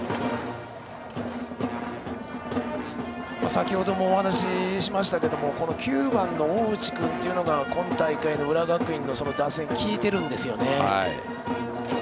先ほどもお話しましたが９番の大内君というのが今大会の浦和学院の打線効いているんですね。